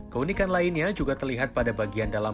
keunikan lainnya juga terlihat pada bagian dalam